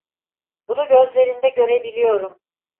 Bunu gözlerinde görebiliyorum.